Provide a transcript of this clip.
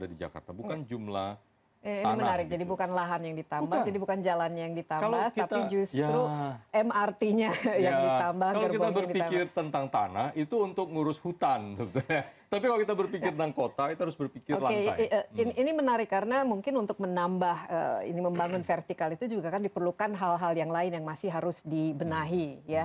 itu juga kan diperlukan hal hal yang lain yang masih harus dibenahi